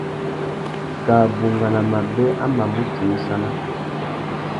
Kā bungana mabê a mà mù timissana.